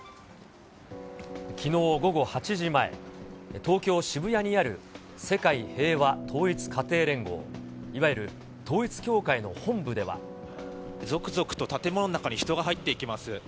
きのう午後８時前、東京・渋谷にある世界平和統一家庭連合、続々と建物の中に人が入っていきます。